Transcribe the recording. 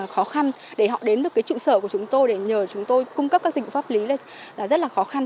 khó khăn để họ đến được cái trụ sở của chúng tôi để nhờ chúng tôi cung cấp các dịch vụ pháp lý là rất là khó khăn